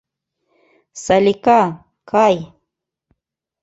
Салика, кай!